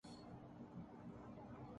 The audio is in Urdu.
اسی اسلوب کو تغزل کہا گیا ہے